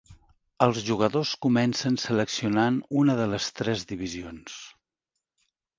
Els jugadors comencen seleccionant una de les tres divisions.